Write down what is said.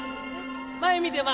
前見て前。